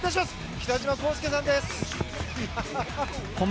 北島康介さんです。